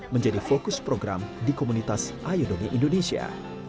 menjadi fokus program di komunitas ayodongi indonesia